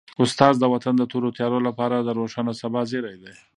استاد د وطن د تورو تیارو لپاره د روښانه سبا زېری دی.